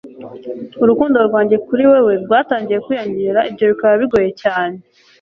urukundo rwanjye kuri wewe rwatangiye kwiyongera, ibyo bikaba bigoye cyane